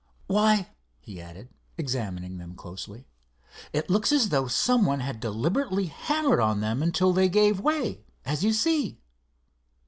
Why," he added, examining them closely, "it looks as though some one had deliberately hammered on them until they gave way, as you see."